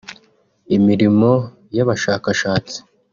imirimo y’Abashakashatsi